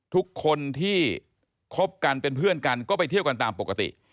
ทุกคนที่คบกันเป็นเพื่อนกันก็ไปเที่ยวกันตามปกติ